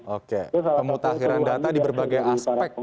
oke pemutakhiran data di berbagai aspek